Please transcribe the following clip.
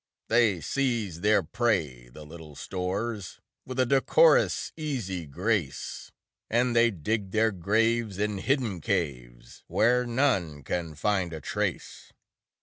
They seize their prey, the little stores, With a decorous, easy grace; And they dig their graves in hidden caves, Where none can find a trace.